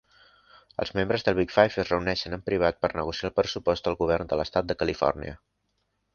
Els membres del Big Five es reuneixen en privat per negociar el pressupost del govern de l'estat de Califòrnia.